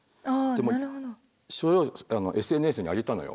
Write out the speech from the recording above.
でもそれをＳＮＳに上げたのよ。